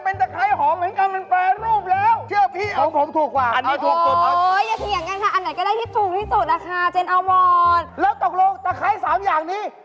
เป็นตะไคร้หอมเหมือนกันมันแปรรูปแล้ว